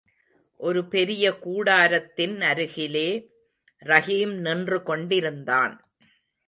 ஒரு பெரிய கூடாரத்தின் அருகிலே ரஹீம் நின்று கொண்டிருந்தான்.